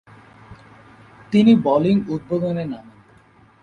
তিনি বোলিং উদ্বোধনে নামেন।